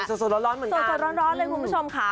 สดสดล้อนเลยคุณผู้ชมค่ะ